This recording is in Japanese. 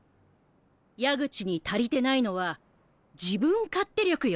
矢口に足りてないのは自分勝手力よ。